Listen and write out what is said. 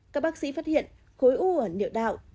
các bác sĩ phát hiện khối u ở địa đạo